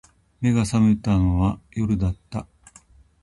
眼が覚めたのは夜だった